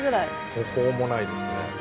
途方もないですね。